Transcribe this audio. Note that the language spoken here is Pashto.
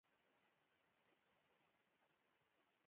چې د ظالمو واکدارانو لاندې وي.